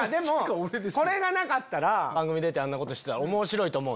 これがなかったら番組出てあんなことしてたら面白いと思う。